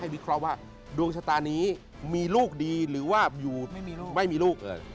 วิเคราะห์ว่าดวงชะตานี้มีลูกดีหรือว่าอยู่ไม่มีลูกเอ่ย